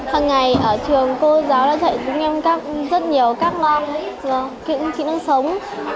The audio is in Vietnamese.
hằng ngày ở trường cô giáo đã dạy chúng em rất nhiều các loại kỹ năng sống